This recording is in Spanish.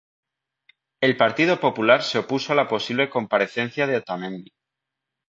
El Partido Popular se opuso a la posible comparecencia de Otamendi.